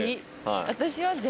私は？